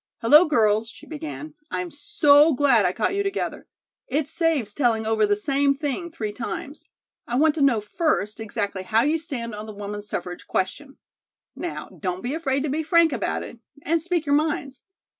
"Hello, girls!" she began; "I'm so glad I caught you together. It saves telling over the same thing three times. I want to know first exactly how you stand on the woman's suffrage question. Now, don't be afraid to be frank about it, and speak your minds.